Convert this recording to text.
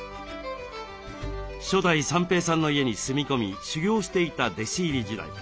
初代三平さんの家に住み込み修業していた弟子入り時代。